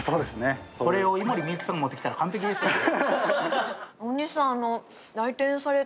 ここに井森美幸さん持ってきたら完璧ですね。